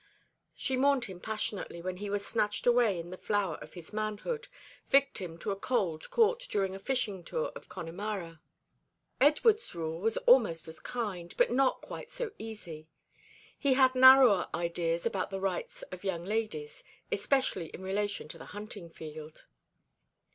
She mourned him passionately when he was snatched away in the flower of his manhood, victim to a cold caught during a fishing tour in Connemara. Edward's rule was almost as kind, but not quite so easy. He had narrower ideas about the rights of young ladies, especially in relation to the hunting field.